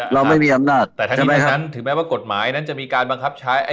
เราไม่มีอำนาจใช่ไหมครับอแฮนด์รไม่ได้นะถือแม้กฎหมายจะมีการบังคับใช้